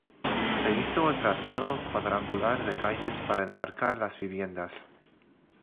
Se hizo el trazado cuadrangular de calles para demarcar las viviendas.